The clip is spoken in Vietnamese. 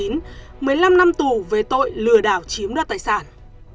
một mươi năm năm tù về tội lừa đảo chiếm đoạt tài sản